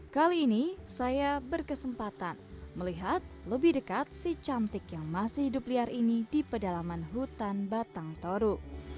kali ini saya berkesempatan melihat lebih dekat si cantik yang masih hidup liar ini di pedalaman hutan batang toru